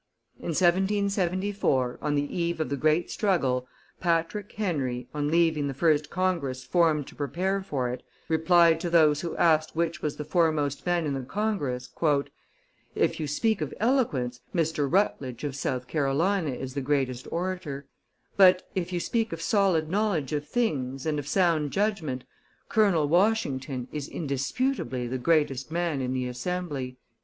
In 1774, on the eve of the great struggle, Patrick Henry, on leaving the first Congress formed to prepare for it, replied to those who asked which was the foremost man in the Congress: "If you speak of eloquence, Mr. Rutledge of South Carolina is the greatest orator; but, if you speak of solid knowledge of things and of sound judgment, Colonel Washington is indisputably the greatest man in the Assembly."